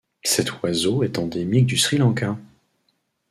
Cet oiseau est endémique du Sri Lanka.